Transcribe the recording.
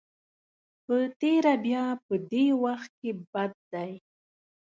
په تېره بیا په دې وخت کې بد دی.